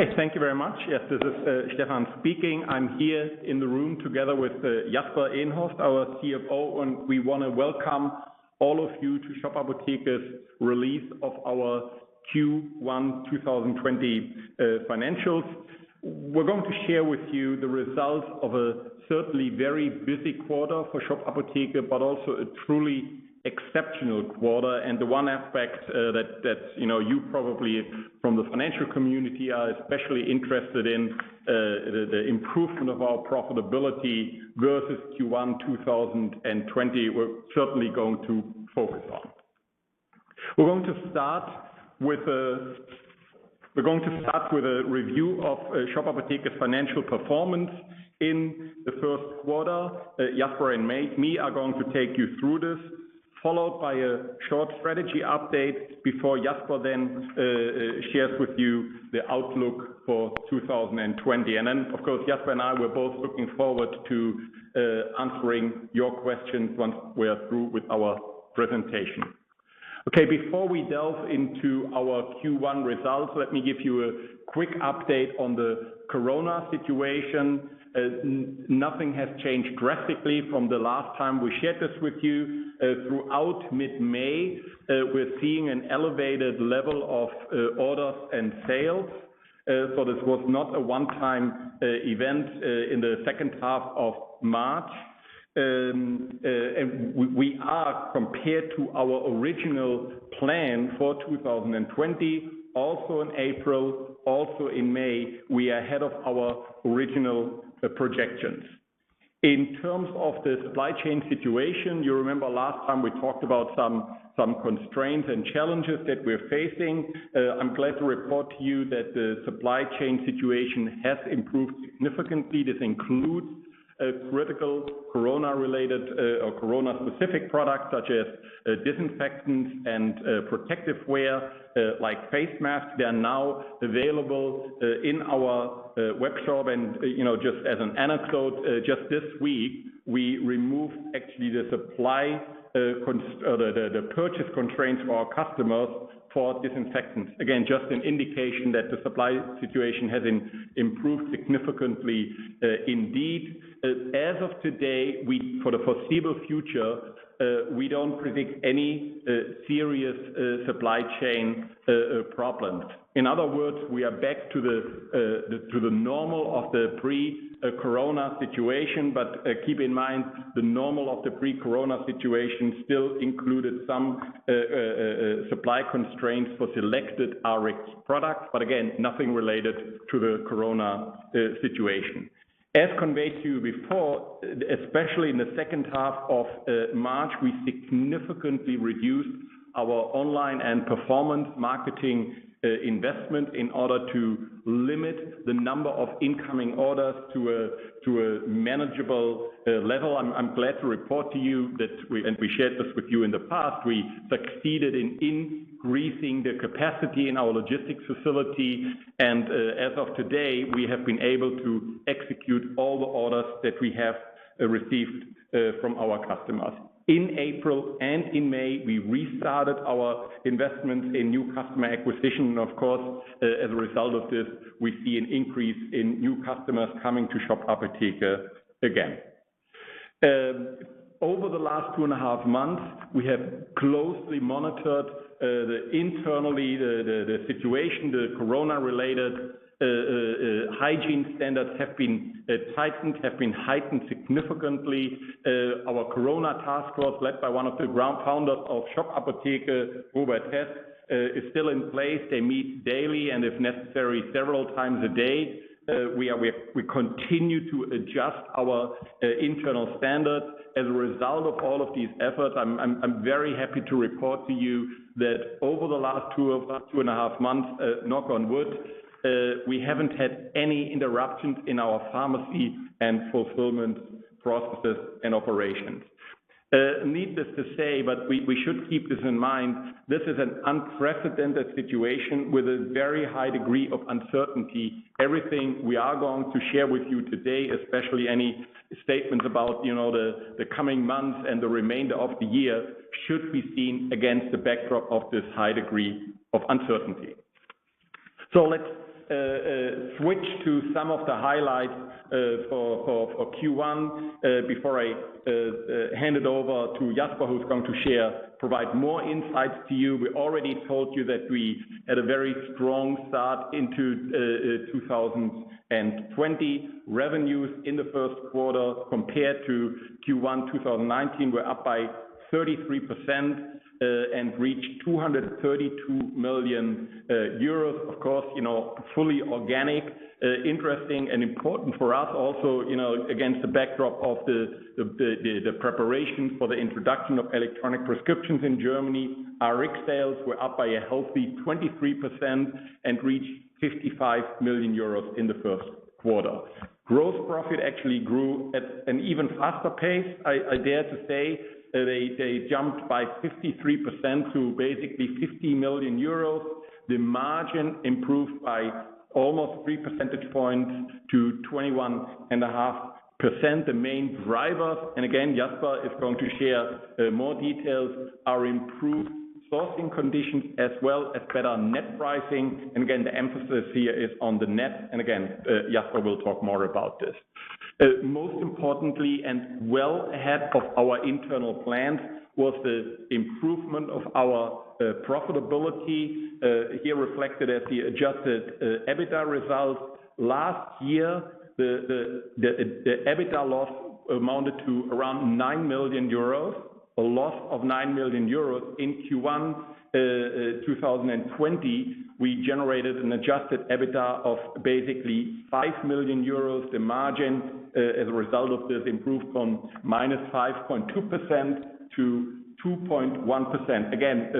Okay, thank you very much. Yes, this is Stefan speaking. I'm here in the room together with Jasper Eenhorst, our CFO, and we want to welcome all of you to Shop Apotheke's release of our Q1 2020 financials. We're going to share with you the results of a certainly very busy quarter for Shop Apotheke, but also a truly exceptional quarter, and the one aspect that you probably from the financial community are especially interested in, the improvement of our profitability versus Q1 2020, we're certainly going to focus on. We're going to start with a review of Shop Apotheke's financial performance in the first quarter. Jasper and me are going to take you through this, followed by a short strategy update before Jasper then shares with you the outlook for 2020. And then, of course, Jasper and I, we're both looking forward to answering your questions once we're through with our presentation. Okay, before we delve into our Q1 results, let me give you a quick update on the Corona situation. Nothing has changed drastically from the last time we shared this with you. Throughout mid-May, we're seeing an elevated level of orders and sales. So this was not a one-time event in the second half of March. And we are, compared to our original plan for 2020, also in April, also in May, we are ahead of our original projections. In terms of the supply chain situation, you remember last time we talked about some constraints and challenges that we're facing. I'm glad to report to you that the supply chain situation has improved significantly. This includes critical Corona-related or Corona-specific products such as disinfectants and protective wear like face masks. They're now available in our webshop, and just as an anecdote, just this week, we removed actually the purchase constraints for our customers for disinfectants. Again, just an indication that the supply situation has improved significantly indeed. As of today, for the foreseeable future, we don't predict any serious supply chain problems. In other words, we are back to the normal of the pre-Corona situation, but keep in mind, the normal of the pre-Corona situation still included some supply constraints for selected Rx products, but again, nothing related to the Corona situation. As conveyed to you before, especially in the second half of March, we significantly reduced our online and performance marketing investment in order to limit the number of incoming orders to a manageable level. I'm glad to report to you that we shared this with you in the past. We succeeded in increasing the capacity in our logistics facility. And as of today, we have been able to execute all the orders that we have received from our customers. In April and in May, we restarted our investments in new customer acquisition. And of course, as a result of this, we see an increase in new customers coming to Shop Apotheke again. Over the last two and a half months, we have closely monitored internally the situation. The Corona-related hygiene standards have been tightened, have been heightened significantly. Our Corona task force, led by one of the co-founders of Shop Apotheke, Robert Hess, is still in place. They meet daily and, if necessary, several times a day. We continue to adjust our internal standards. As a result of all of these efforts, I'm very happy to report to you that over the last two and a half months, knock on wood, we haven't had any interruptions in our pharmacy and fulfillment processes and operations. Needless to say, but we should keep this in mind, this is an unprecedented situation with a very high degree of uncertainty. Everything we are going to share with you today, especially any statements about the coming months and the remainder of the year, should be seen against the backdrop of this high degree of uncertainty. So let's switch to some of the highlights for Q1 before I hand it over to Jasper, who's going to provide more insights to you. We already told you that we had a very strong start into 2020. Revenues in the first quarter compared to Q1 2019 were up by 33% and reached 232 million euros. Of course, fully organic, interesting, and important for us also against the backdrop of the preparation for the introduction of electronic prescriptions in Germany. Our Rx sales were up by a healthy 23% and reached 55 million euros in the first quarter. Gross profit actually grew at an even faster pace, I dare to say. They jumped by 53% to basically 50 million euros. The margin improved by almost three percentage points to 21.5%. The main drivers, and again, Jasper is going to share more details, are improved sourcing conditions as well as better net pricing. And again, the emphasis here is on the net. And again, Jasper will talk more about this. Most importantly, and well ahead of our internal plans, was the improvement of our profitability here reflected as the adjusted EBITDA results. Last year, the EBITDA loss amounted to around nine million EUR, a loss of nine million EUR in Q1 2020. We generated an adjusted EBITDA of basically five million EUR. The margin as a result of this improved from minus 5.2% to 2.1%. Again,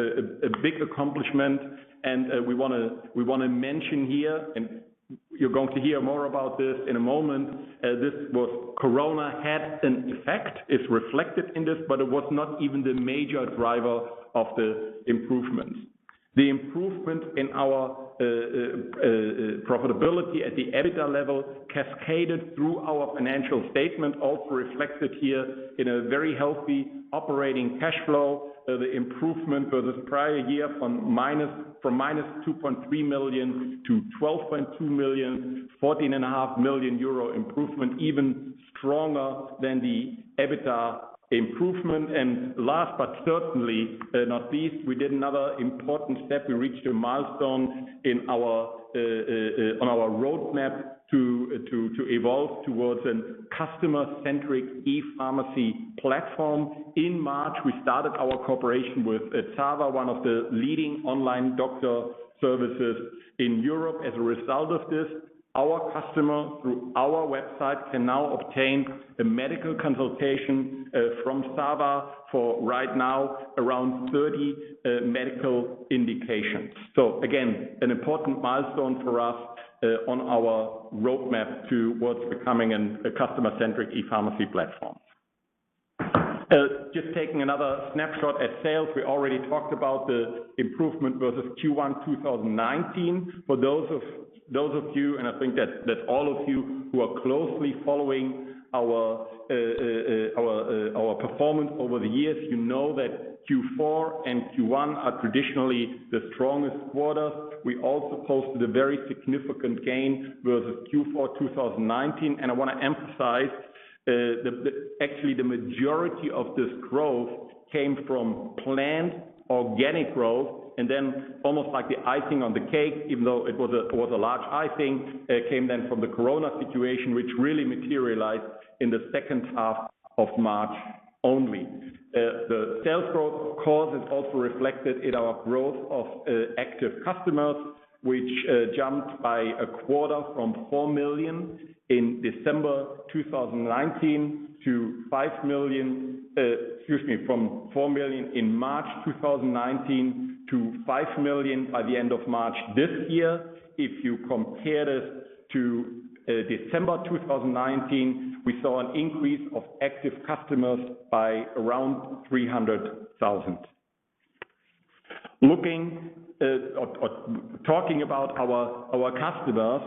a big accomplishment. And we want to mention here, and you're going to hear more about this in a moment, this was Corona had an effect, it's reflected in this, but it was not even the major driver of the improvements. The improvement in our profitability at the EBITDA level cascaded through our financial statement, also reflected here in a very healthy operating cash flow. The improvement for this prior year from -2.3 million to 12.2 million, 14.5 million euro improvement, even stronger than the EBITDA improvement. Last but certainly not least, we did another important step. We reached a milestone on our roadmap to evolve towards a customer-centric e-pharmacy platform. In March, we started our cooperation with Zava, one of the leading online doctor services in Europe. As a result of this, our customer through our website can now obtain a medical consultation from Zava for right now around 30 medical indications. Again, an important milestone for us on our roadmap towards becoming a customer-centric e-pharmacy platform. Just taking another snapshot at sales, we already talked about the improvement versus Q1 2019. For those of you, and I think that all of you who are closely following our performance over the years, you know that Q4 and Q1 are traditionally the strongest quarters. We also posted a very significant gain versus Q4 2019. And I want to emphasize that actually the majority of this growth came from planned organic growth. And then almost like the icing on the cake, even though it was a large icing, came then from the Corona situation, which really materialized in the second half of March only. The sales growth, 'cause, is also reflected in our growth of active customers, which jumped by a quarter from 4 million in December 2019 to 5 million, excuse me, from 4 million in March 2019 to 5 million by the end of March this year. If you compare this to December 2019, we saw an increase of active customers by around 300,000. Talking about our customers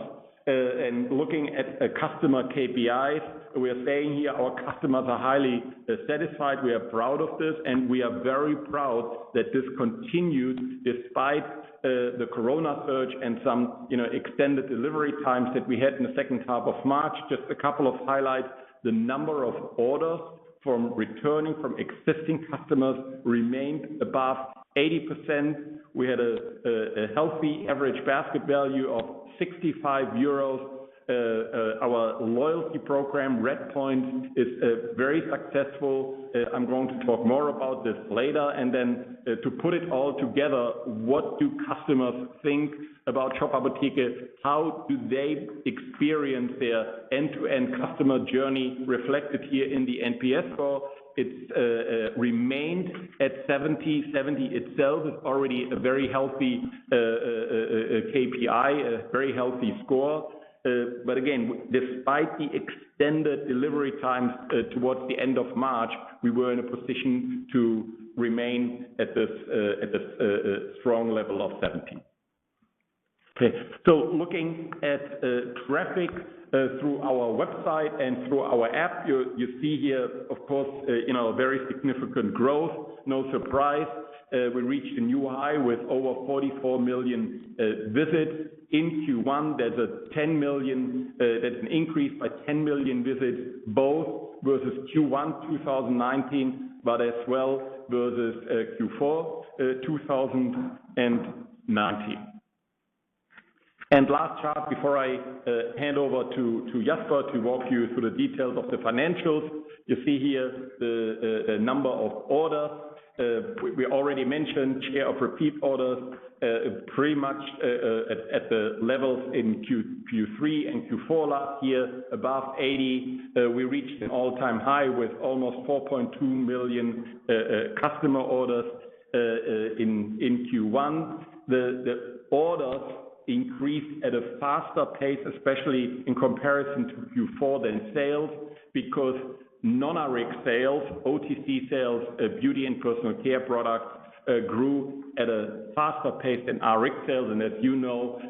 and looking at customer KPIs, we are saying here our customers are highly satisfied. We are proud of this, and we are very proud that this continued despite the Corona surge and some extended delivery times that we had in the second half of March. Just a couple of highlights, the number of orders from returning from existing customers remained above 80%. We had a healthy average basket value of 65 euros. Our loyalty program, RedPoints, is very successful. I'm going to talk more about this later. And then to put it all together, what do customers think about Shop Apotheke? How do they experience their end-to-end customer journey reflected here in the NPS score? It remained at 70. 70 itself is already a very healthy KPI, a very healthy score. But again, despite the extended delivery times towards the end of March, we were in a position to remain at this strong level of 70. Okay, so looking at traffic through our website and through our app, you see here, of course, a very significant growth. No surprise, we reached a new high with over 44 million visits. In Q1, there's a 10 million, that's an increase by 10 million visits, both versus Q1 2019, but as well versus Q4 2019, and last chart before I hand over to Jasper to walk you through the details of the financials, you see here the number of orders. We already mentioned share of repeat orders pretty much at the levels in Q3 and Q4 last year, above 80. We reached an all-time high with almost 4.2 million customer orders in Q1. The orders increased at a faster pace, especially in comparison to Q4 than sales because non-Rx sales, OTC sales, beauty and personal care products grew at a faster pace than Rx sales, and as you know,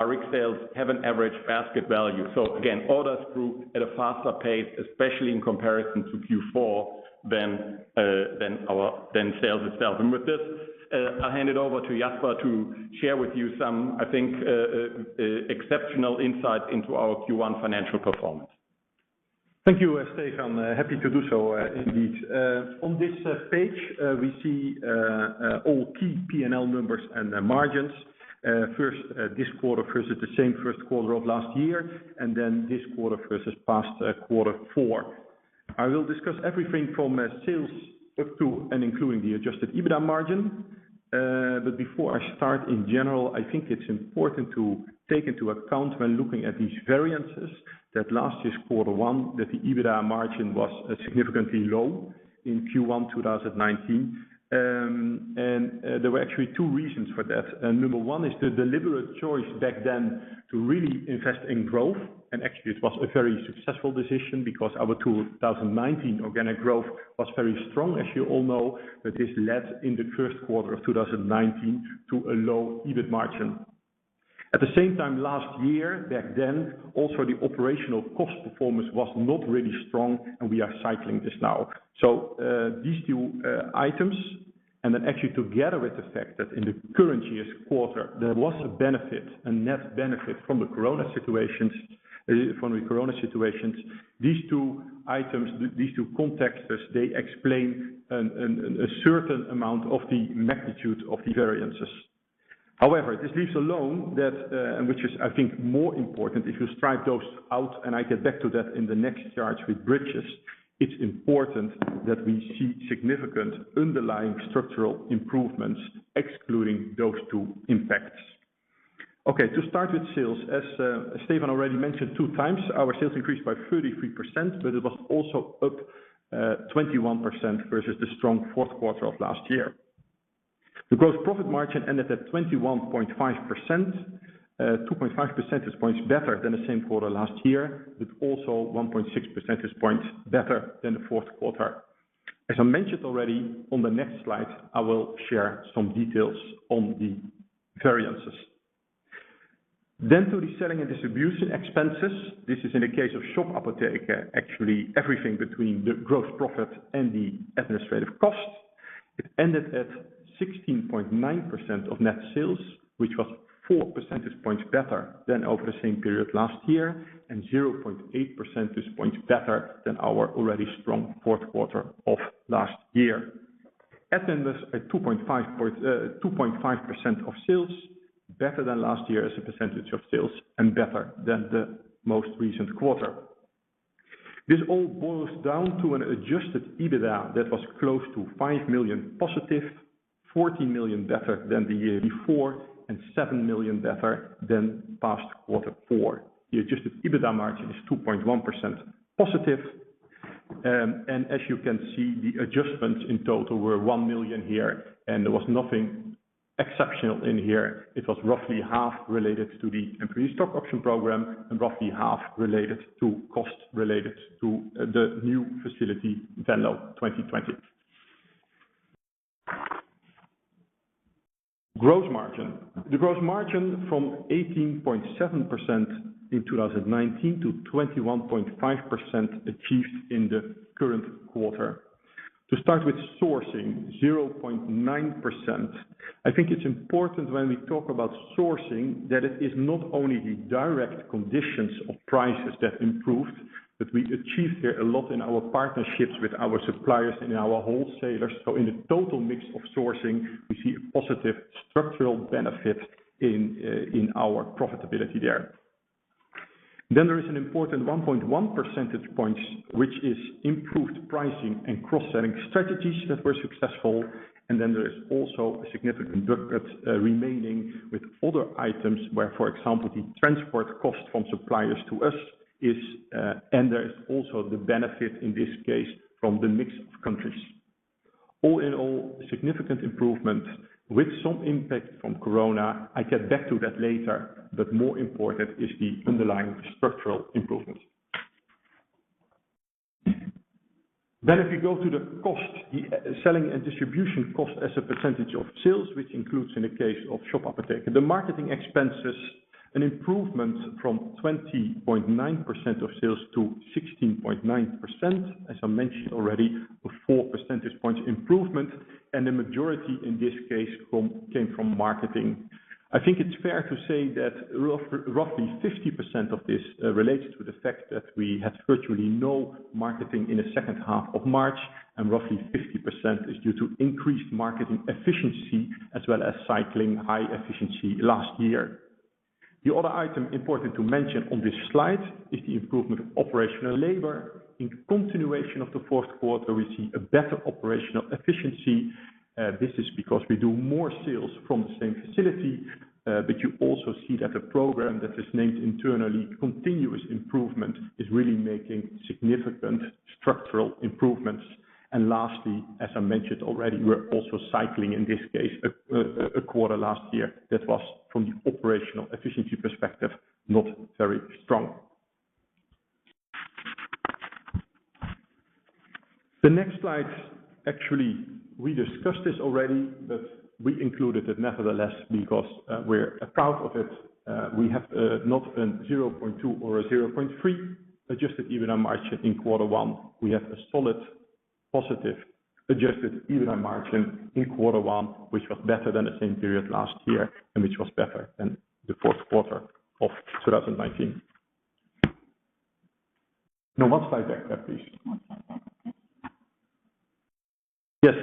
Rx sales have an average basket value, so again, orders grew at a faster pace, especially in comparison to Q4 than sales itself, and with this, I'll hand it over to Jasper to share with you some, I think, exceptional insights into our Q1 financial performance. Thank you, Stefan. Happy to do so indeed. On this page, we see all key P&L numbers and margins. First, this quarter versus the same first quarter of last year, and then this quarter versus past quarter four. I will discuss everything from sales up to and including the adjusted EBITDA margin. Before I start, in general, I think it's important to take into account when looking at these variances that last year's quarter one, that the EBITDA margin was significantly low in Q1 2019, and there were actually two reasons for that. Number one is the deliberate choice back then to really invest in growth. Actually, it was a very successful decision because our 2019 organic growth was very strong, as you all know. This led in the first quarter of 2019 to a low EBIT margin. At the same time, last year back then, also the operational cost performance was not really strong, and we are cycling this now. These two items, and then actually together with the fact that in the current year's quarter, there was a benefit, a net benefit from the Corona situations, from the Corona situations. These two items, these two contexts, they explain a certain amount of the magnitude of the variances. However, this leaves alone that, which is, I think, more important if you strike those out, and I get back to that in the next charts with bridges. It's important that we see significant underlying structural improvements, excluding those two impacts. Okay, to start with sales, as Stefan already mentioned two times, our sales increased by 33%, but it was also up 21% versus the strong fourth quarter of last year. The gross profit margin ended at 21.5%. 2.5 percentage points better than the same quarter last year, but also 1.6 percentage points better than the fourth quarter. As I mentioned already, on the next slide, I will share some details on the variances. Then to the selling and distribution expenses, this is in the case of Shop Apotheke, actually everything between the gross profit and the administrative cost. It ended at 16.9% of net sales, which was 4 percentage points better than over the same period last year, and 0.8 percentage points better than our already strong fourth quarter of last year. Ad spend at 2.5% of sales, better than last year as a percentage of sales and better than the most recent quarter. This all boils down to an adjusted EBITDA that was close to 5 million positive, 40 million better than the year before, and 7 million better than last quarter four. The adjusted EBITDA margin is 2.1% positive. And as you can see, the adjustments in total were 1 million here, and there was nothing exceptional in here. It was roughly half related to the employee stock option program and roughly half related to cost related to the new facility Venlo 2020. Gross margin. The gross margin from 18.7% in 2019 to 21.5% achieved in the current quarter. To start with sourcing, 0.9%. I think it's important when we talk about sourcing that it is not only the direct conditions of prices that improved, but we achieved here a lot in our partnerships with our suppliers and our wholesalers. So in the total mix of sourcing, we see a positive structural benefit in our profitability there. Then there is an important 1.1 percentage points, which is improved pricing and cross-selling strategies that were successful. And then there is also a significant remaining with other items where, for example, the transport cost from suppliers to us is, and there is also the benefit in this case from the mix of countries. All in all, significant improvement with some impact from Corona. I get back to that later, but more important is the underlying structural improvement. Then if we go to the cost, the selling and distribution cost as a percentage of sales, which includes in the case of Shop Apotheke, the marketing expenses, an improvement from 20.9% of sales to 16.9%, as I mentioned already, a 4 percentage points improvement. And the majority in this case came from marketing. I think it's fair to say that roughly 50% of this relates to the fact that we had virtually no marketing in the second half of March, and roughly 50% is due to increased marketing efficiency as well as cycling high efficiency last year. The other item important to mention on this slide is the improvement of operational leverage. In continuation of the fourth quarter, we see a better operational efficiency. This is because we do more sales from the same facility. But you also see that the program that is named internally continuous improvement is really making significant structural improvements. And lastly, as I mentioned already, we're also cycling in this case a quarter last year that was from the operational efficiency perspective, not very strong. The next slide, actually, we discussed this already, but we included it nevertheless because we're proud of it. We have not a 0.2 or a 0.3 adjusted EBITDA margin in quarter one. We have a solid positive adjusted EBITDA margin in quarter one, which was better than the same period last year and which was better than the fourth quarter of 2019. Now, one slide back there, please. Yes.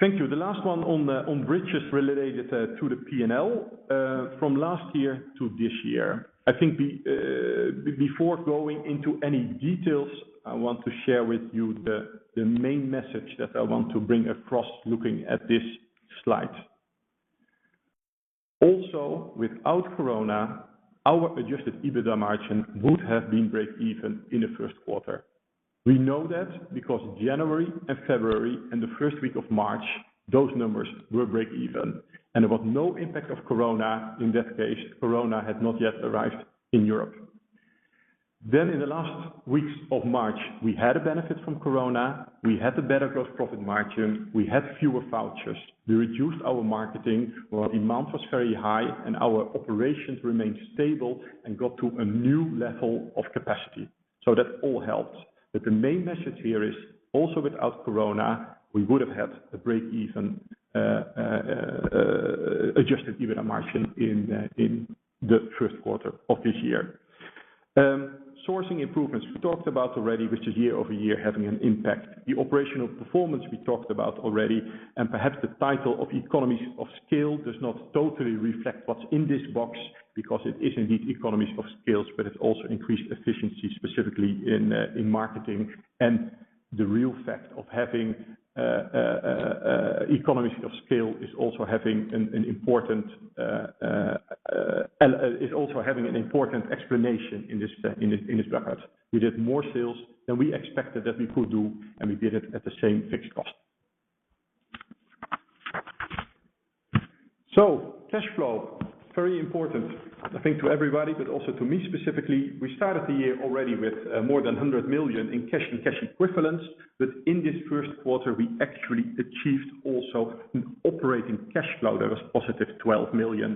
Thank you. The last one on bridges related to the P&L from last year to this year. I think before going into any details, I want to share with you the main message that I want to bring across looking at this slide. Also, without Corona, our adjusted EBITDA margin would have been break-even in the first quarter. We know that because January and February and the first week of March, those numbers were break-even, and there was no impact of Corona in that case. Corona had not yet arrived in Europe. Then in the last weeks of March, we had a benefit from Corona. We had a better gross profit margin. We had fewer vouchers. We reduced our marketing while demand was very high and our operations remained stable and got to a new level of capacity, so that all helps. But the main message here is also without Corona, we would have had a break-even Adjusted EBITDA margin in the first quarter of this year. Sourcing improvements we talked about already, which is year over year having an impact. The operational performance we talked about already and perhaps the title of economies of scale does not totally reflect what's in this box because it is indeed economies of scale, but it's also increased efficiency specifically in marketing. And the real fact of having economies of scale is also having an important explanation in this record. We did more sales than we expected that we could do, and we did it at the same fixed cost. So cash flow, very important, I think to everybody, but also to me specifically. We started the year already with more than 100 million in cash and cash equivalents. But in this first quarter, we actually achieved also an operating cash flow that was positive 12 million.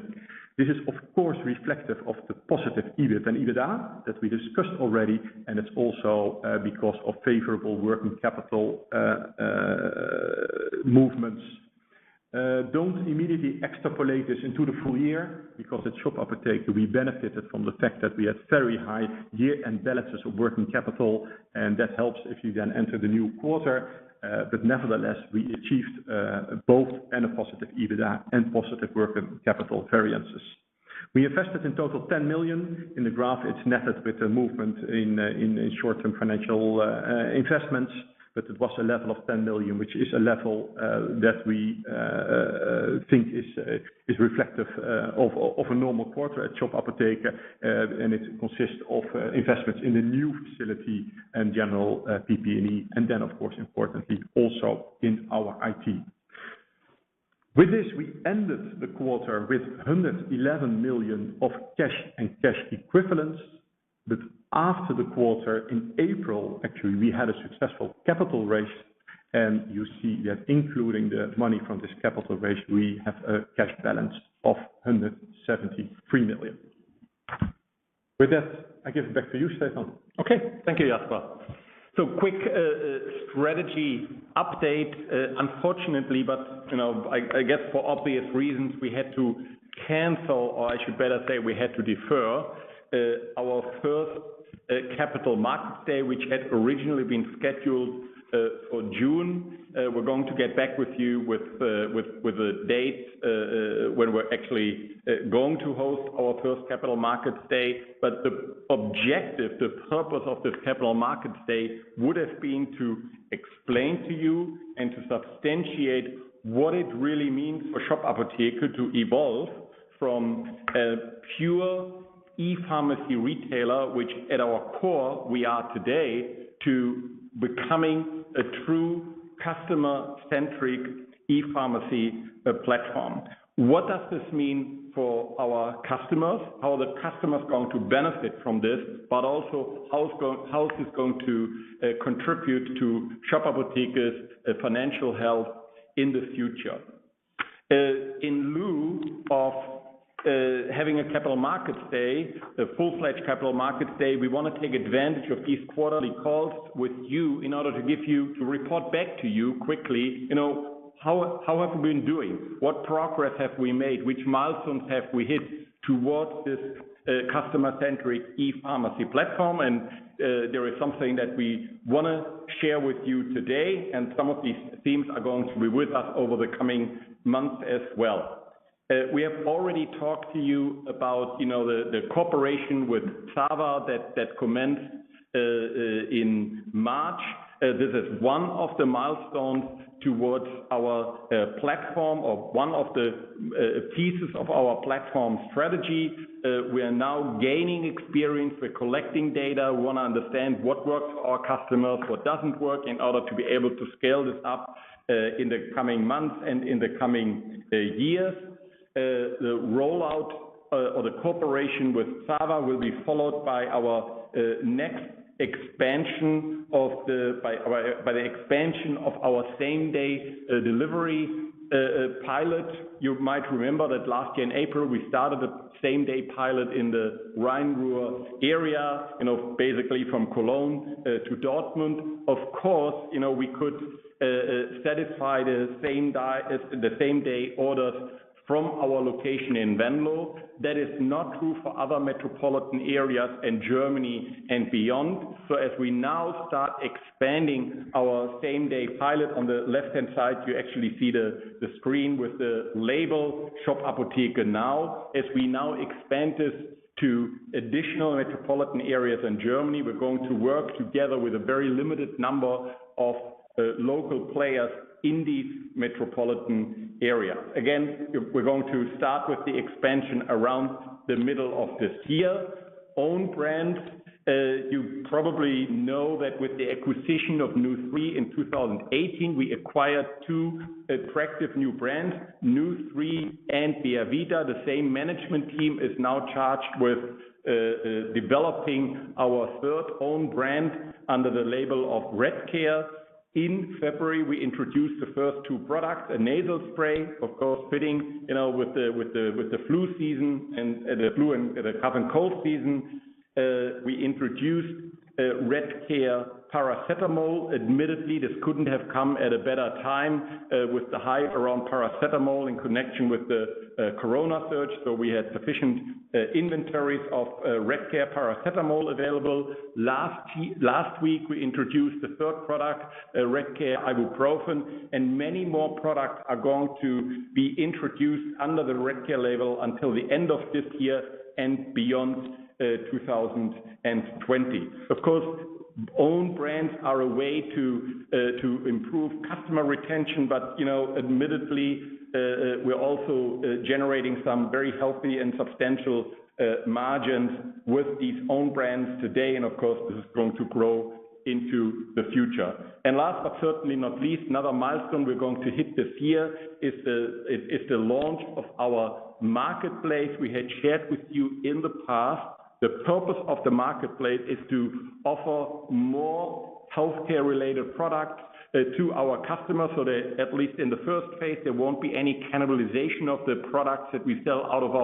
This is, of course, reflective of the positive EBIT and EBITDA that we discussed already. And it's also because of favorable working capital movements. Don't immediately extrapolate this into the full year because at Shop Apotheke, we benefited from the fact that we had very high year-end balances of working capital. And that helps if you then enter the new quarter. But nevertheless, we achieved both a positive EBITDA and positive working capital variances. We invested in total 10 million. In the graph, it's netted with the movement in short-term financial investments, but it was a level of 10 million, which is a level that we think is reflective of a normal quarter at Shop Apotheke. It consists of investments in the new facility and general PP&E. Then, of course, importantly, also in our IT. With this, we ended the quarter with 111 million of cash and cash equivalents. After the quarter, in April, actually, we had a successful capital raise. You see that including the money from this capital raise, we have a cash balance of 173 million. With that, I give it back to you, Stefan. Okay. Thank you, Jasper. Quick strategy update. Unfortunately, but I guess for obvious reasons, we had to cancel, or I should better say we had to defer our first capital markets day, which had originally been scheduled for June. We're going to get back with you with a date when we're actually going to host our first capital markets day. But the objective, the purpose of this capital markets day would have been to explain to you and to substantiate what it really means for Shop Apotheke to evolve from a pure e-pharmacy retailer, which at our core we are today, to becoming a true customer-centric e-pharmacy platform. What does this mean for our customers? How are the customers going to benefit from this, but also how is this going to contribute to Shop Apotheke's financial health in the future? In lieu of having a capital markets day, a full-fledged capital markets day, we want to take advantage of these quarterly calls with you in order to report back to you quickly. How have we been doing? What progress have we made? Which milestones have we hit towards this customer-centric e-pharmacy platform? And there is something that we want to share with you today. And some of these themes are going to be with us over the coming months as well. We have already talked to you about the cooperation with Zava that commenced in March. This is one of the milestones towards our platform or one of the pieces of our platform strategy. We are now gaining experience. We're collecting data. We want to understand what works for our customers, what doesn't work in order to be able to scale this up in the coming months and in the coming years. The rollout or the cooperation with Zava will be followed by our next expansion of our same-day delivery pilot. You might remember that last year in April, we started the same-day pilot in the Rhein-Ruhr area, basically from Cologne to Dortmund. Of course, we could satisfy the same-day orders from our location in Venlo. That is not true for other metropolitan areas in Germany and beyond. So as we now start expanding our same-day pilot on the left-hand side, you actually see the screen with the label Shop Apotheke Now. As we now expand this to additional metropolitan areas in Germany, we're going to work together with a very limited number of local players in these metropolitan areas. Again, we're going to start with the expansion around the middle of this year. Own brands. You probably know that with the acquisition of nu3 in 2018, we acquired two attractive new brands, nu3 and Beavita. The same management team is now charged with developing our third own brand under the label of Redcare. In February, we introduced the first two products, a nasal spray, of course, fitting with the flu season and the flu and the cough and cold season. We introduced Redcare Paracetamol. Admittedly, this couldn't have come at a better time with the hype around paracetamol in connection with the Corona surge. So we had sufficient inventories of Redcare Paracetamol available. Last week, we introduced the third product, Redcare Ibuprofen. And many more products are going to be introduced under the Redcare label until the end of this year and beyond 2020. Of course, own brands are a way to improve customer retention, but admittedly, we're also generating some very healthy and substantial margins with these own brands today. And of course, this is going to grow into the future. And last but certainly not least, another milestone we're going to hit this year is the launch of our marketplace. We had shared with you in the past. The purpose of the marketplace is to offer more healthcare-related products to our customers. So at least in the first phase, there won't be any cannibalization of the products that we sell out of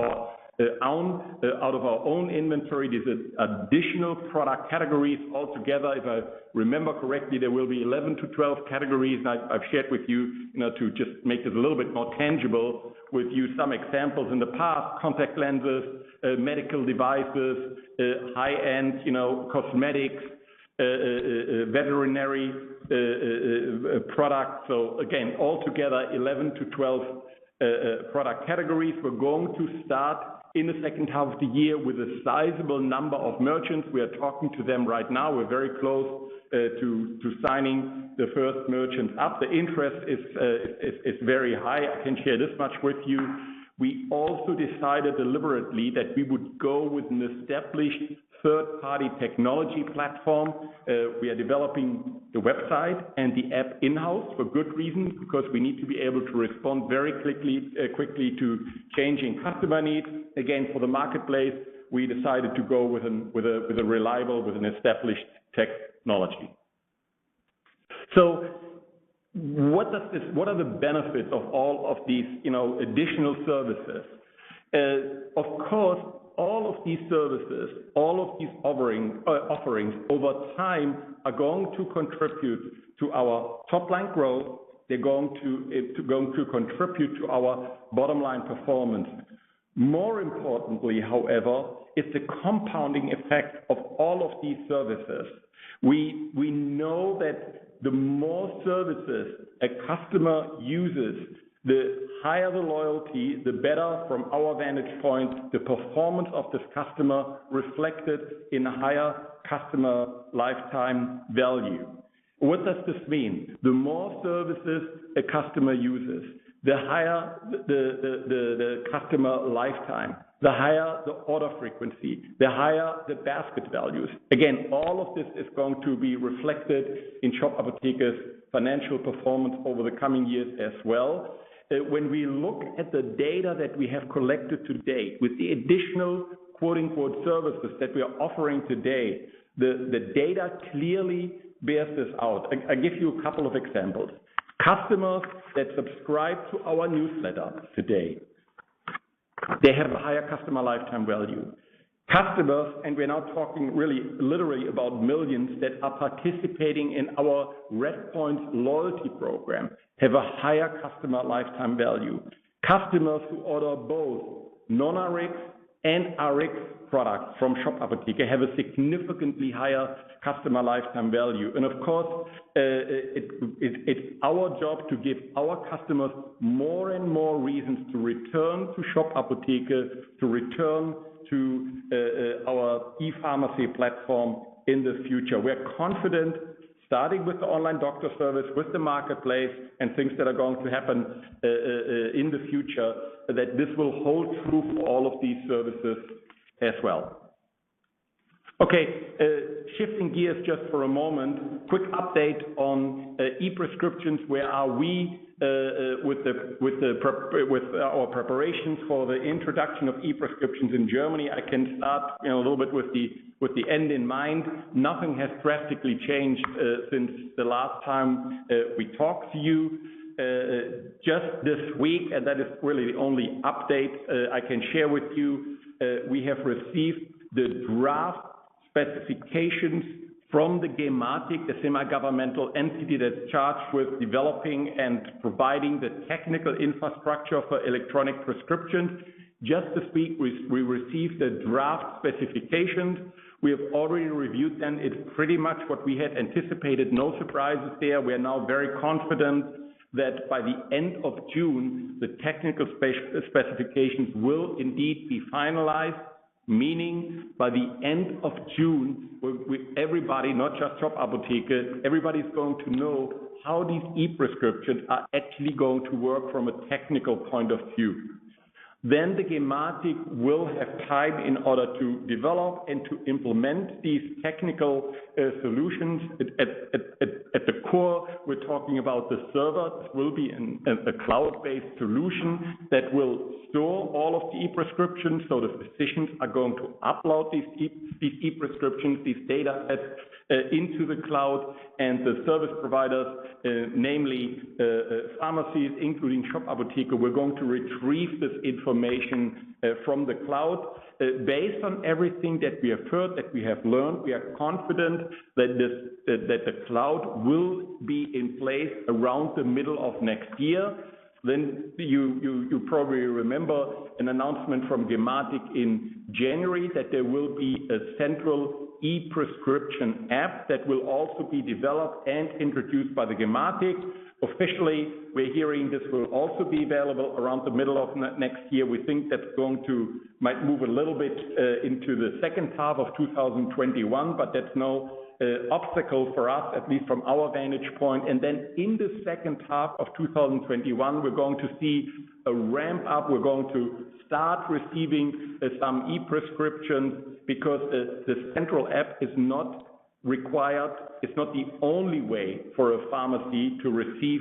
our own inventory. There's additional product categories altogether. If I remember correctly, there will be 11-12 categories. I've shared with you, to just make it a little bit more tangible with you some examples in the past, contact lenses, medical devices, high-end cosmetics, veterinary products. Again, altogether, 11-12 product categories. We're going to start in the second half of the year with a sizable number of merchants. We are talking to them right now. We're very close to signing the first merchants up. The interest is very high. I can share this much with you. We also decided deliberately that we would go with an established third-party technology platform. We are developing the website and the app in-house for good reason because we need to be able to respond very quickly to changing customer needs. Again, for the marketplace, we decided to go with a reliable, with an established technology. What are the benefits of all of these additional services? Of course, all of these services, all of these offerings over time are going to contribute to our top-line growth. They're going to contribute to our bottom-line performance. More importantly, however, it's the compounding effect of all of these services. We know that the more services a customer uses, the higher the loyalty, the better from our vantage point, the performance of this customer reflected in a higher customer lifetime value. What does this mean? The more services a customer uses, the higher the customer lifetime, the higher the order frequency, the higher the basket values. Again, all of this is going to be reflected in Shop Apotheke's financial performance over the coming years as well. When we look at the data that we have collected to date with the additional "services" that we are offering today, the data clearly bears this out. I'll give you a couple of examples. Customers that subscribe to our newsletter today, they have a higher customer lifetime value. Customers, and we're now talking really literally about millions that are participating in our RedPoints loyalty program, have a higher customer lifetime value. Customers who order both non-Rx and Rx products from Shop Apotheke have a significantly higher customer lifetime value. And of course, it's our job to give our customers more and more reasons to return to Shop Apotheke, to return to our e-pharmacy platform in the future. We're confident, starting with the online doctor service, with the marketplace and things that are going to happen in the future, that this will hold true for all of these services as well. Okay. Shifting gears just for a moment, quick update on e-prescriptions. Where are we with our preparations for the introduction of e-prescriptions in Germany? I can start a little bit with the end in mind. Nothing has drastically changed since the last time we talked to you. Just this week, and that is really the only update I can share with you, we have received the draft specifications from the Gematik, the semi-governmental entity that's charged with developing and providing the technical infrastructure for electronic prescriptions. Just this week, we received the draft specifications. We have already reviewed them. It's pretty much what we had anticipated. No surprises there. We are now very confident that by the end of June, the technical specifications will indeed be finalized, meaning by the end of June, everybody, not just Shop Apotheke, everybody's going to know how these e-prescriptions are actually going to work from a technical point of view. Then the Gematik will have time in order to develop and to implement these technical solutions. At the core, we're talking about the server. This will be a cloud-based solution that will store all of the e-prescriptions. So the physicians are going to upload these e-prescriptions, these data sets into the cloud. And the service providers, namely pharmacies, including Shop Apotheke, we're going to retrieve this information from the cloud. Based on everything that we have heard, that we have learned, we are confident that the cloud will be in place around the middle of next year. Then you probably remember an announcement from Gematik in January that there will be a central e-prescription app that will also be developed and introduced by the Gematik. Officially, we're hearing this will also be available around the middle of next year. We think that's going to might move a little bit into the second half of 2021, but that's no obstacle for us, at least from our vantage point, and then in the second half of 2021, we're going to see a ramp-up. We're going to start receiving some e-prescriptions because the central app is not required. It's not the only way for a pharmacy to receive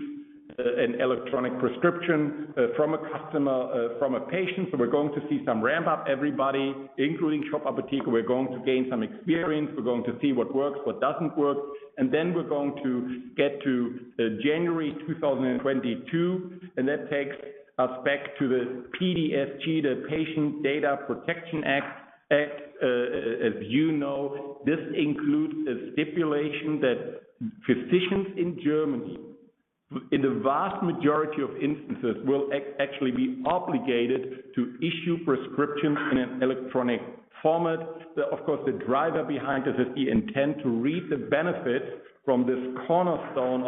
an electronic prescription from a customer, from a patient, so we're going to see some ramp-up, everybody, including Shop Apotheke. We're going to gain some experience. We're going to see what works, what doesn't work, and then we're going to get to January 2022, and that takes us back to the PDSG, the Patient Data Protection Act. As you know, this includes a stipulation that physicians in Germany, in the vast majority of instances, will actually be obligated to issue prescriptions in an electronic format. Of course, the driver behind this is the intent to reap the benefits from this cornerstone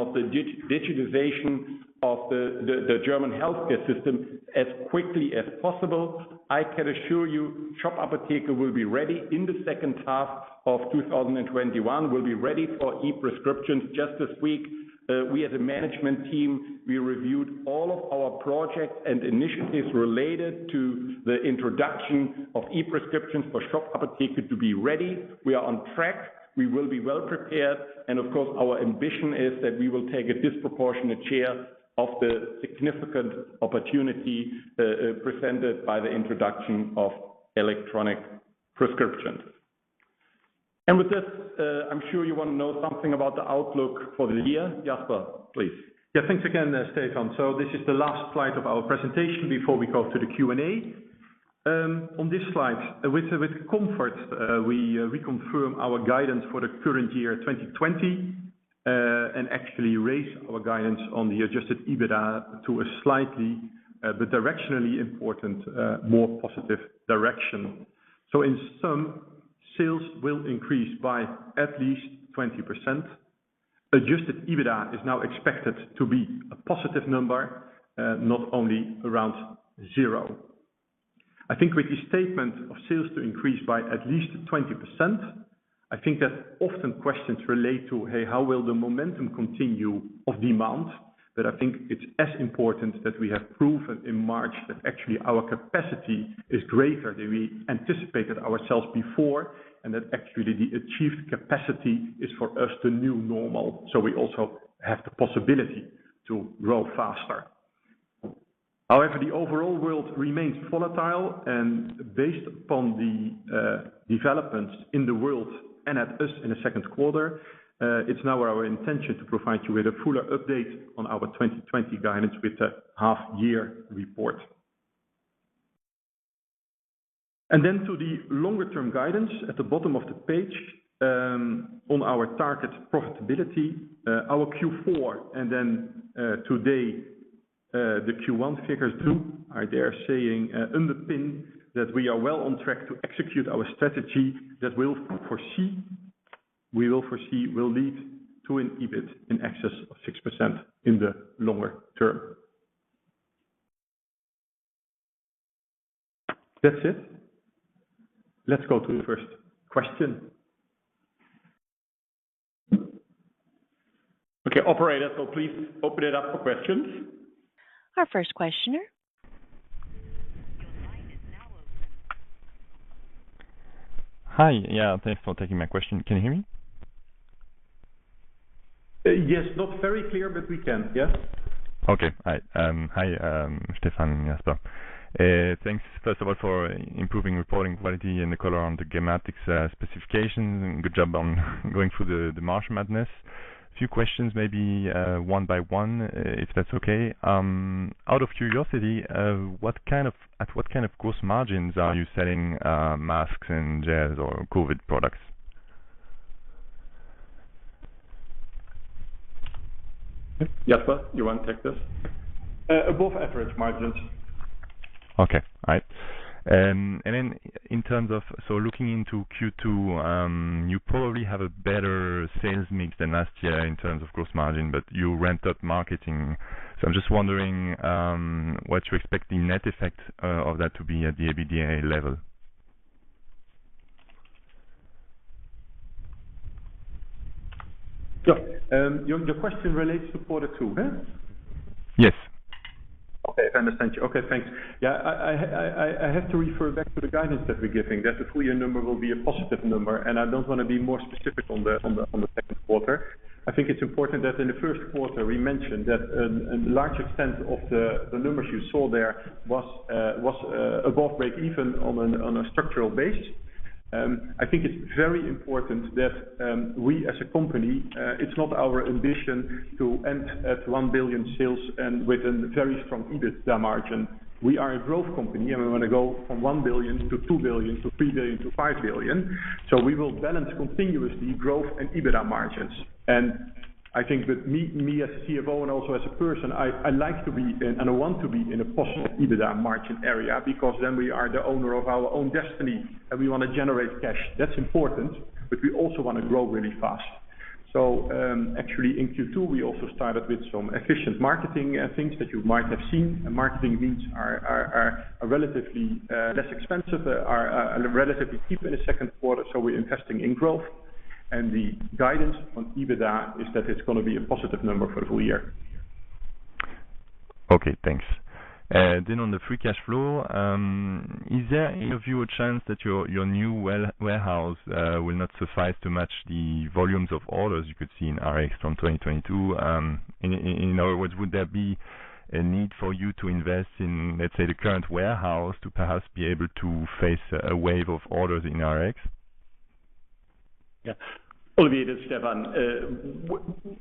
of the digitization of the German healthcare system as quickly as possible. I can assure you, Shop Apotheke will be ready in the second half of 2021. We'll be ready for e-prescriptions just this week. We, as a management team, reviewed all of our projects and initiatives related to the introduction of e-prescriptions for Shop Apotheke to be ready. We are on track. We will be well prepared. And of course, our ambition is that we will take a disproportionate share of the significant opportunity presented by the introduction of electronic prescriptions. And with this, I'm sure you want to know something about the outlook for the year. Jasper, please. Yeah, thanks again, Stefan. So this is the last slide of our presentation before we go to the Q&A. On this slide, with comfort, we reconfirm our guidance for the current year, 2020, and actually raise our guidance on the Adjusted EBITDA to a slightly but directionally important, more positive direction. So in sum, sales will increase by at least 20%. Adjusted EBITDA is now expected to be a positive number, not only around zero. I think with the statement of sales to increase by at least 20%, I think that often questions relate to, hey, how will the momentum continue of demand? But I think it's as important that we have proven in March that actually our capacity is greater than we anticipated ourselves before and that actually the achieved capacity is for us the new normal. So we also have the possibility to grow faster. However, the overall world remains volatile, and based upon the developments in the world and at us in the second quarter, it's now our intention to provide you with a fuller update on our 2020 guidance with the half-year report, and then to the longer-term guidance at the bottom of the page on our target profitability. Our Q4, and then today, the Q1 figures too, are there saying underpin that we are well on track to execute our strategy that we will foresee will lead to an EBIT in excess of 6% in the longer term. That's it. Let's go to the first question. Okay, operator, so please open it up for questions. Our first questioner. Hi. Yeah, thanks for taking my question. Can you hear me? Yes, not very clear, but we can. Yes. Okay. Hi, Stefan and Jasper. Thanks, first of all, for improving reporting quality and the color on the Gematik specifications and good job on going through the margin madness. A few questions, maybe one by one, if that's okay. Out of curiosity, at what kind of gross margins are you selling masks and gels or COVID products? Jasper, you want to take this? Above average margins. Okay. All right. And then in terms of so looking into Q2, you probably have a better sales mix than last year in terms of gross margin, but you ramped up marketing. So I'm just wondering what you expect the net effect of that to be at the EBITDA level? Yeah. The question relates to quarter two, yeah? Yes. Okay. If I understand you. Okay. Thanks. Yeah, I have to refer back to the guidance that we're giving, that the full year number will be a positive number, and I don't want to be more specific on the second quarter. I think it's important that in the first quarter, we mentioned that a large extent of the numbers you saw there was above break-even on a structural basis. I think it's very important that we, as a company, it's not our ambition to end at one billion sales and with a very strong EBITDA margin. We are a growth company, and we want to go from one billion to two billion to three billion to five billion, so we will balance continuously growth and EBITDA margins. And I think that me, as a CFO and also as a person, I like to be in and I want to be in a positive EBITDA margin area because then we are the owner of our own destiny, and we want to generate cash. That's important, but we also want to grow really fast. So actually, in Q2, we also started with some efficient marketing things that you might have seen. Marketing needs are relatively less expensive, relatively cheap in the second quarter. So we're investing in growth. And the guidance on EBITDA is that it's going to be a positive number for the whole year. Okay. Thanks. Then on the free cash flow, is there in view a chance that your new warehouse will not suffice to match the volumes of orders you could see in Rx from 2022? In other words, would there be a need for you to invest in, let's say, the current warehouse to perhaps be able to face a wave of orders in Rx? Yeah. Olivier, this is Stefan.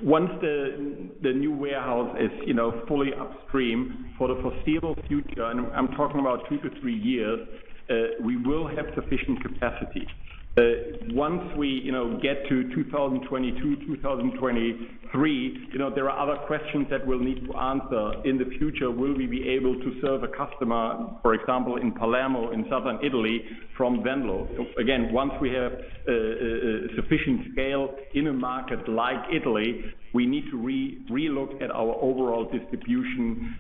Once the new warehouse is fully upstream for the foreseeable future, and I'm talking about two to three years, we will have sufficient capacity. Once we get to 2022, 2023, there are other questions that we'll need to answer in the future. Will we be able to serve a customer, for example, in Palermo, in southern Italy, from Venlo? So again, once we have sufficient scale in a market like Italy, we need to relook at our overall distribution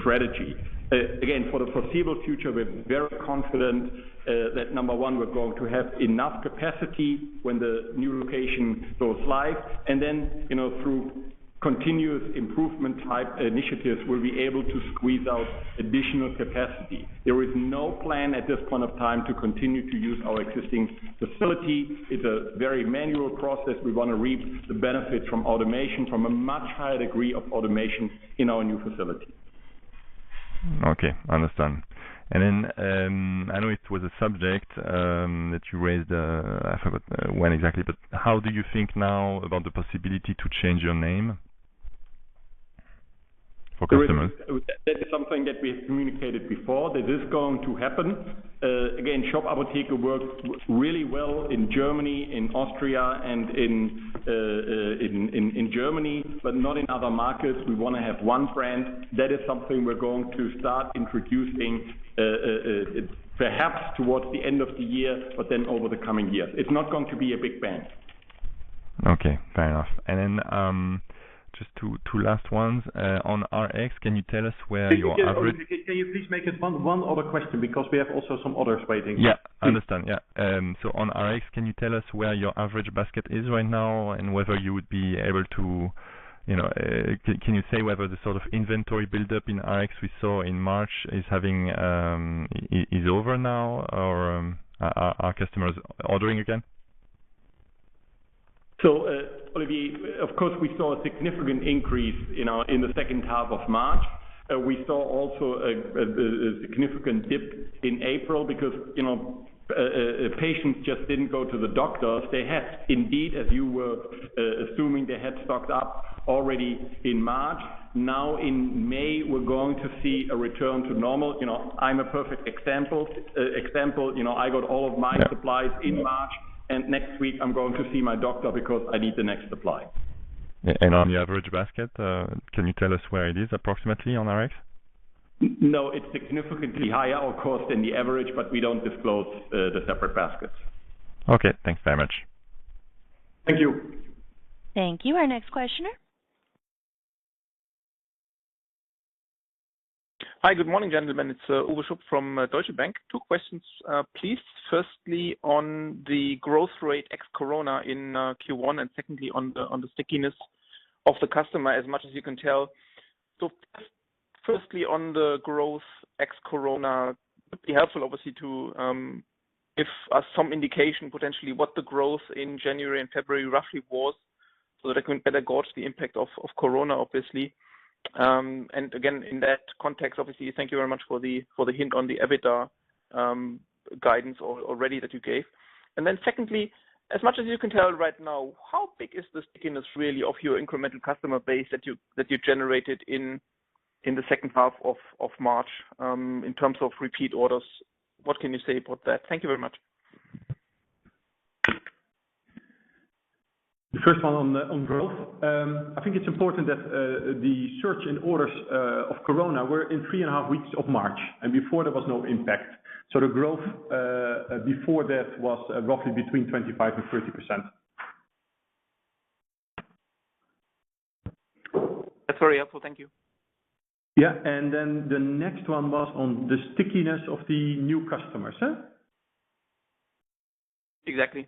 strategy. Again, for the foreseeable future, we're very confident that, number one, we're going to have enough capacity when the new location goes live. And then through continuous improvement type initiatives, we'll be able to squeeze out additional capacity. There is no plan at this point of time to continue to use our existing facility. It's a very manual process. We want to reap the benefits from automation, from a much higher degree of automation in our new facility. Okay. Understand. And then I know it was a subject that you raised. I forgot when exactly, but how do you think now about the possibility to change your name for customers? That is something that we have communicated before. This is going to happen. Again, Shop Apotheke works really well in Germany, in Austria, and in Germany, but not in other markets. We want to have one brand. That is something we're going to start introducing perhaps towards the end of the year, but then over the coming years. It's not going to be a big ban. Okay. Fair enough. And then just two last ones. On Rx, can you tell us where your average? Can you please make it one other question because we have also some others waiting? Yeah. Understand. Yeah. So on Rx, can you tell us where your average basket is right now and whether you would be able to can you say whether the sort of inventory build-up in Rx we saw in March is over now or are customers ordering again? So Olivier, of course, we saw a significant increase in the second half of March. We saw also a significant dip in April because patients just didn't go to the doctors. They had indeed, as you were assuming, they had stocked up already in March. Now in May, we're going to see a return to normal. I'm a perfect example. I got all of my supplies in March, and next week, I'm going to see my doctor because I need the next supply. And on the average basket, can you tell us where it is approximately on Rx? No, it's significantly higher, of course, than the average, but we don't disclose the separate baskets. Okay. Thanks very much. Thank you. Thank you. Our next questioner. Hi. Good morning, gentlemen. It's Uwe Schupp from Deutsche Bank. Two questions, please. Firstly, on the growth rate ex Corona in Q1 and secondly, on the stickiness of the customer, as much as you can tell. So firstly, on the growth ex Corona, it would be helpful, obviously, to give us some indication potentially what the growth in January and February roughly was so that we can better gauge the impact of Corona, obviously. Again, in that context, obviously, thank you very much for the hint on the EBITDA guidance already that you gave. Then, secondly, as much as you can tell right now, how big is the stickiness really of your incremental customer base that you generated in the second half of March in terms of repeat orders? What can you say about that? Thank you very much. The first one on growth, I think it's important that the search and orders of Corona were in three and a half weeks of March, and before there was no impact, so the growth before that was roughly between 25% and 30%. That's very helpful. Thank you. Yeah. Then the next one was on the stickiness of the new customers, huh? Exactly.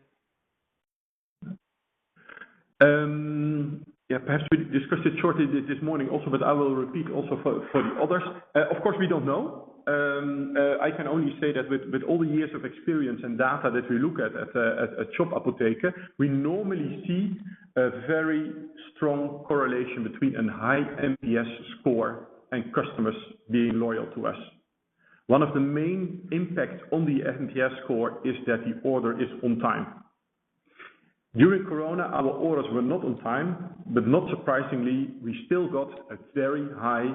Yeah. Perhaps we discussed it shortly this morning also, but I will repeat also for the others. Of course, we don't know. I can only say that with all the years of experience and data that we look at at Shop Apotheke, we normally see a very strong correlation between a high NPS score and customers being loyal to us. One of the main impacts on the NPS score is that the order is on time. During Corona, our orders were not on time, but not surprisingly, we still got a very high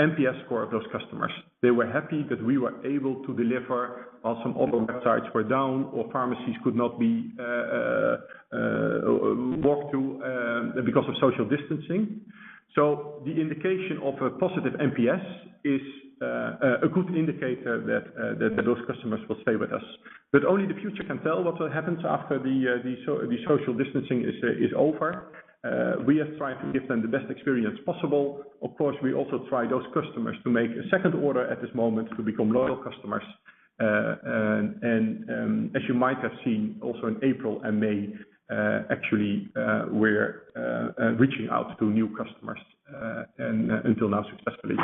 NPS score of those customers. They were happy that we were able to deliver while some other websites were down or pharmacies could not be walked to because of social distancing. So the indication of a positive NPS is a good indicator that those customers will stay with us. But only the future can tell what happens after the social distancing is over. We are trying to give them the best experience possible. Of course, we also try those customers to make a second order at this moment to become loyal customers, and as you might have seen also in April and May, actually, we're reaching out to new customers and until now successfully.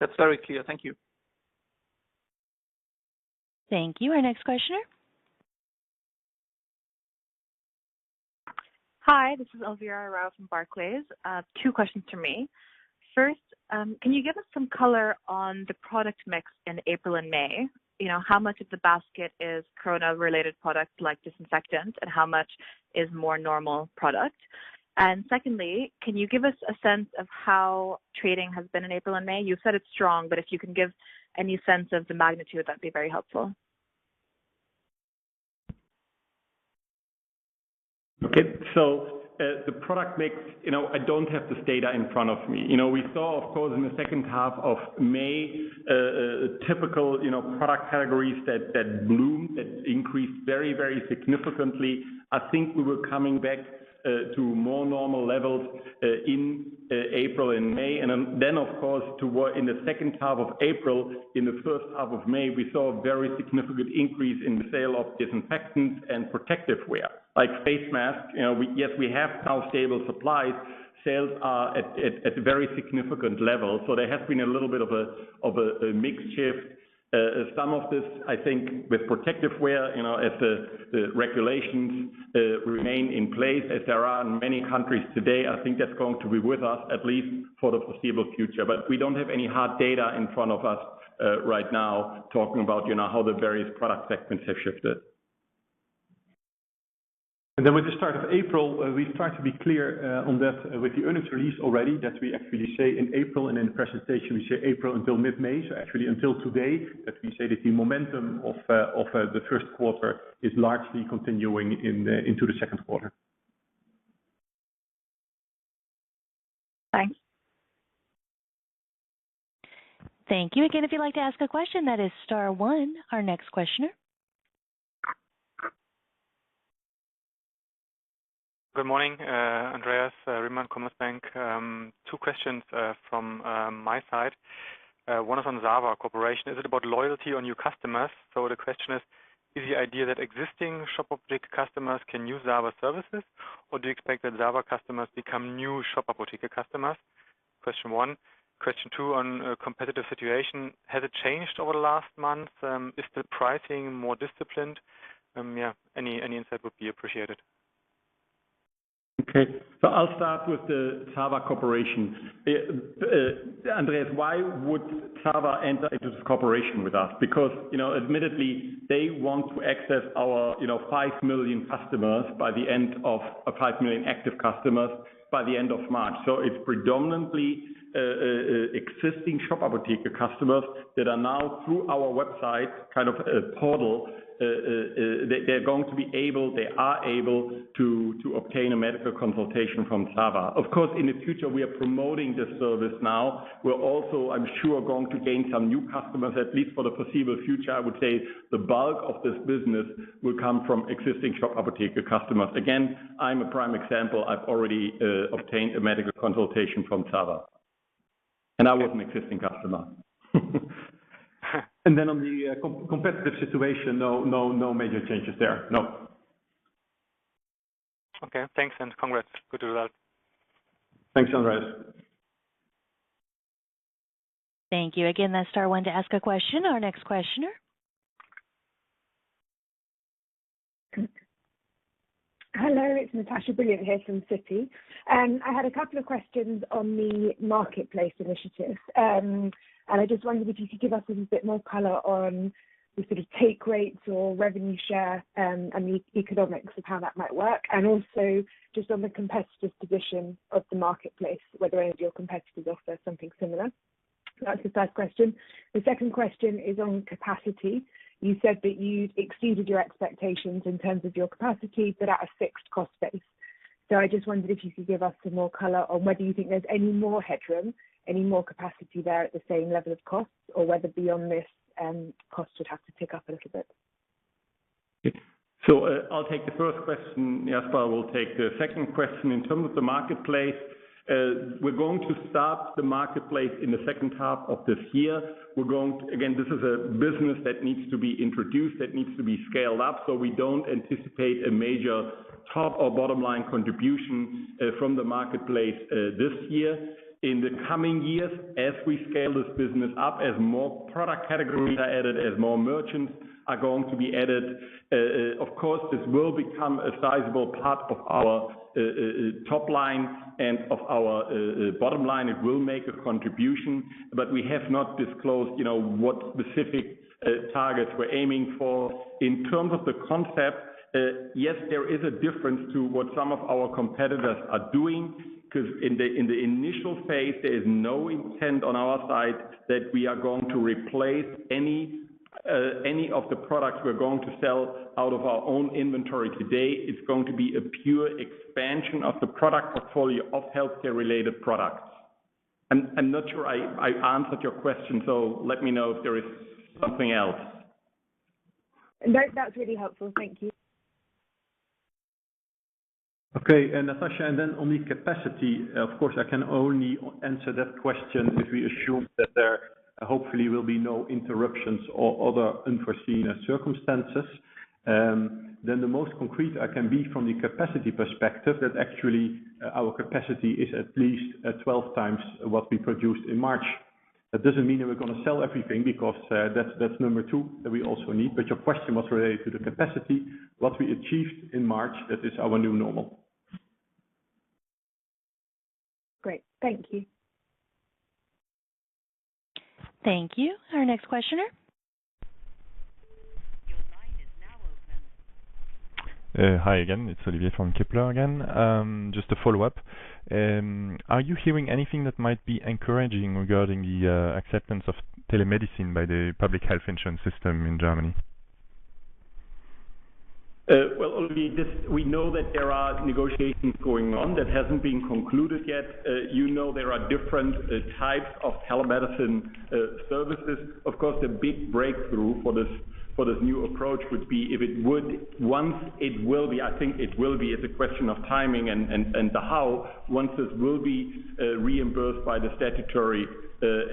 That's very clear. Thank you. Thank you. Our next questioner. Hi. This is Olivier Calvet from Barclays. Two questions for me. First, can you give us some color on the product mix in April and May? How much of the basket is Corona-related products like disinfectants, and how much is more normal product? And secondly, can you give us a sense of how trading has been in April and May? You said it's strong, but if you can give any sense of the magnitude, that'd be very helpful. Okay, so the product mix, I don't have this data in front of me. We saw, of course, in the second half of May, typical product categories that boomed, that increased very, very significantly. I think we were coming back to more normal levels in April and May. And then, of course, in the second half of April, in the first half of May, we saw a very significant increase in the sale of disinfectants and protective wear like face masks. Yes, we have now stable supplies. Sales are at a very significant level. So there has been a little bit of a mixed shift. Some of this, I think, with protective wear as the regulations remain in place, as there are in many countries today, I think that's going to be with us at least for the foreseeable future. But we don't have any hard data in front of us right now talking about how the various product segments have shifted. And then with the start of April, we've tried to be clear on that with the earnings release already that we actually say in April, and in the presentation, we say April until mid-May. So actually, until today, that we say that the momentum of the first quarter is largely continuing into the second quarter. Thanks. Thank you. Again, if you'd like to ask a question, that is star one, our next questioner. Good morning, Andreas Riemann, Commerzbank. Two questions from my side. One is on Zava. Is it about loyalty on new customers? So the question is, is the idea that existing Shop Apotheke customers can use Zava services, or do you expect that Zava customers become new Shop Apotheke customers? Question one. Question two on competitive situation. Has it changed over the last month? Is the pricing more disciplined? Yeah. Any insight would be appreciated. Okay. I'll start with the Zava. Andreas, why would Zava enter into this cooperation with us? Because admittedly, they want to access our 5 million active customers by the end of March. It's predominantly existing Shop Apotheke customers that are now through our website kind of portal, they are able to obtain a medical consultation from Zava. Of course, in the future, we are promoting this service now. We're also, I'm sure, going to gain some new customers, at least for the foreseeable future. I would say the bulk of this business will come from existing Shop Apotheke customers. Again, I'm a prime example. I've already obtained a medical consultation from Zava. And I was an existing customer. And then on the competitive situation, no major changes there. No. Okay. Thanks. And congrats. Good result. Thanks, Andreas. Thank you. Again, that's star one to ask a question. Our next questioner. Hello. It's Natasha Brilliant here from Citi. I had a couple of questions on the marketplace initiative. And I just wondered if you could give us a bit more color on the sort of take rates or revenue share and the economics of how that might work, and also just on the competitive position of the marketplace, whether any of your competitors offer something similar. That's the first question. The second question is on capacity. You said that you'd exceeded your expectations in terms of your capacity, but at a fixed cost base. So I just wondered if you could give us some more color on whether you think there's any more headroom, any more capacity there at the same level of cost, or whether beyond this, costs would have to tick up a little bit. So I'll take the first question. Jasper will take the second question. In terms of the marketplace, we're going to start the marketplace in the second half of this year. Again, this is a business that needs to be introduced, that needs to be scaled up. So we don't anticipate a major top or bottom line contribution from the marketplace this year. In the coming years, as we scale this business up, as more product categories are added, as more merchants are going to be added, of course, this will become a sizable part of our top line and of our bottom line. It will make a contribution, but we have not disclosed what specific targets we're aiming for. In terms of the concept, yes, there is a difference to what some of our competitors are doing because in the initial phase, there is no intent on our side that we are going to replace any of the products we're going to sell out of our own inventory today. It's going to be a pure expansion of the product portfolio of healthcare-related products. I'm not sure I answered your question, so let me know if there is something else. That's really helpful. Thank you. Okay. And Natasha, and then on the capacity, of course, I can only answer that question if we assume that there hopefully will be no interruptions or other unforeseen circumstances. Then the most concrete I can be from the capacity perspective, that actually our capacity is at least 12 times what we produced in March. That doesn't mean that we're going to sell everything because that's number two that we also need. But your question was related to the capacity, what we achieved in March, that is our new normal. Great. Thank you. Thank you. Our next questioner. Your line is now open. Hi again. It's Olivier from Kepler again. Just to follow up, are you hearing anything that might be encouraging regarding the acceptance of telemedicine by the public health insurance system in Germany? Well, Olivier, we know that there are negotiations going on that haven't been concluded yet. You know there are different types of telemedicine services. Of course, the big breakthrough for this new approach would be if it would, once it will be, I think it will be, it's a question of timing and the how, once this will be reimbursed by the statutory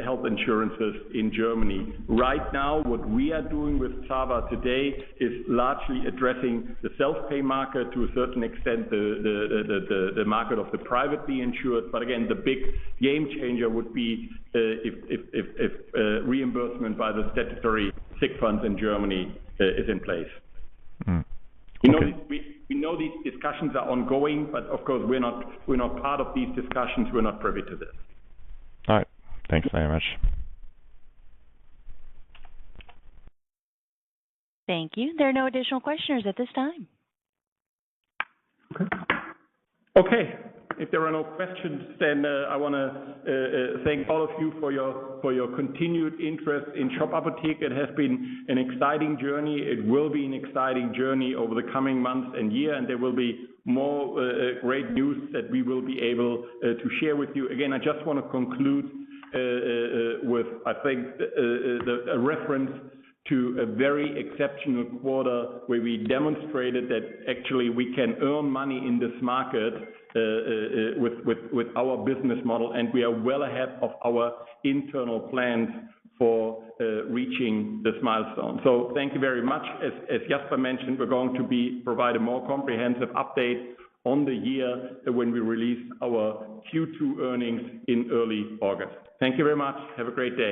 health insurances in Germany. Right now, what we are doing with Zava today is largely addressing the self-pay market to a certain extent, the market of the privately insured. But again, the big game changer would be if reimbursement by the statutory sick funds in Germany is in place. We know these discussions are ongoing, but of course, we're not part of these discussions. We're not privy to this. All right. Thanks very much. Thank you. There are no additional questioners at this time. Okay. If there are no questions, then I want to thank all of you for your continued interest in Shop Apotheke. It has been an exciting journey. It will be an exciting journey over the coming months and year, and there will be more great news that we will be able to share with you. Again, I just want to conclude with, I think, a reference to a very exceptional quarter where we demonstrated that actually we can earn money in this market with our business model, and we are well ahead of our internal plans for reaching this milestone. So thank you very much. As Jasper mentioned, we're going to provide a more comprehensive update on the year when we release our Q2 earnings in early August. Thank you very much. Have a great day.